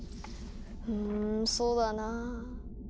うんそうだなぁ。